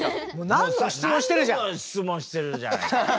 何度も質問してるじゃない。